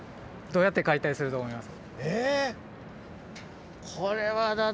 どうやって解体すると思います？